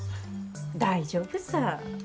大丈夫さ。